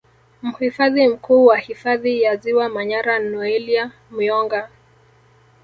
Mhifadhi Mkuu wa Hifadhi ya Ziwa Manyara Noelia Myonga